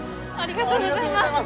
ありがとうございます！